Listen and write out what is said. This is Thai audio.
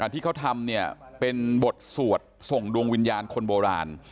ที่เขาทำเนี่ยเป็นบทสวดส่งดวงวิญญาณคนโบราณ